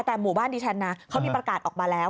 แต่หมู่บ้านดิฉันนะเขามีประกาศออกมาแล้ว